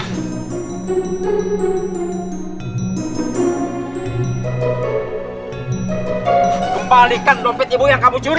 kembalikan dompet ibu yang kamu curi